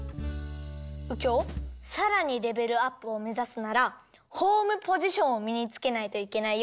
うきょうさらにレベルアップをめざすならホームポジションをみにつけないといけないよ。